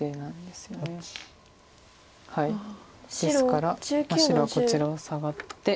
ですから白はこちらをサガって。